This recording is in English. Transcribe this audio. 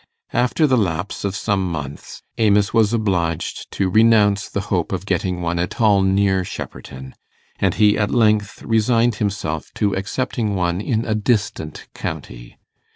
After the lapse of some months, Amos was obliged to renounce the hope of getting one at all near Shepperton, and he at length resigned himself to accepting one in a distant county.